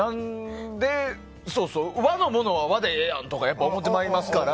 和のものは和でええやんとか思ってしまいますから。